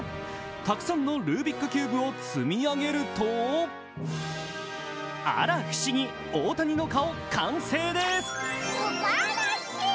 たくさんのルービックキューブを積み上げると、あら不思議、大谷の顔、完成です。